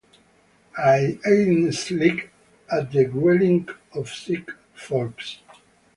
I ain't slick at the gruelling of sick folks.